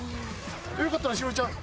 よかったら栞里ちゃん。